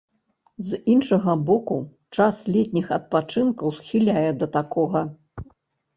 З іншага боку, час летніх адпачынкаў схіляе да такога.